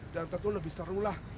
dan tentu lebih serulah